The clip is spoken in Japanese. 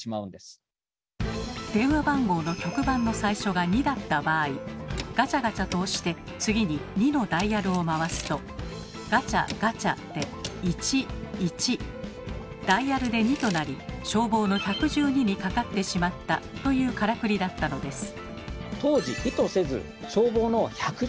電話番号の局番の最初が「２」だった場合ガチャガチャと押して次に「２」のダイヤルを回すとガチャ・ガチャで「１・１」ダイヤルで「２」となり消防の１１２にかかってしまったというカラクリだったのです。